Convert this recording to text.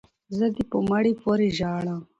ـ زه دې په مړي پورې ژاړم،